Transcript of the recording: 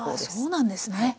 そうなんですね。